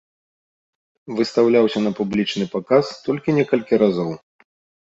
Выстаўляўся на публічны паказ толькі некалькі разоў.